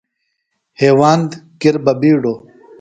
ہیواند کِر بہ بِیڈوۡ۔